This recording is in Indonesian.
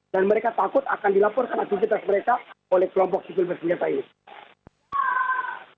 dan mereka takut akan dilaporkan aktivitas mereka oleh kelompok sipil bersenjata ini